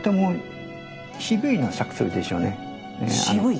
渋い？